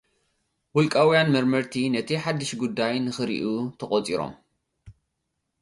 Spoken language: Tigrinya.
ውልቃውያን መርመርቲ፡ ነቲ ሓድሽ ጉዳይ ንኽርኡ ተቖጺሮም።